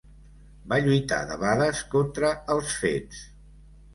Va lluitar debades contra els fets.